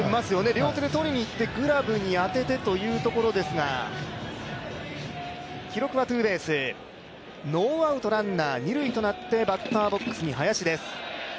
両手で取りに行ってグラブに当ててというところですが記録はツーベース、ノーアウトランナー二塁となってバッターボックスに林です。